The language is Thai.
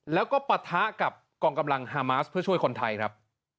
แล้วก็ปะทะกับกองกำลังฮามาสเพื่อช่วยคนไทยครับ